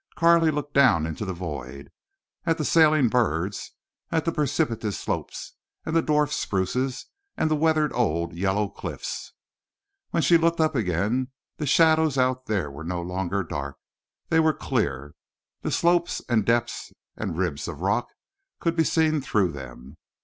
Carley looked down into the void, at the sailing birds, at the precipitous slopes, and the dwarf spruces and the weathered old yellow cliffs. When she looked up again the shadows out there were no longer dark. They were clear. The slopes and depths and ribs of rock could be seen through them.